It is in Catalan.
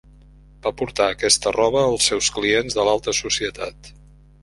Va portar aquesta roba als seus clients de l'alta societat.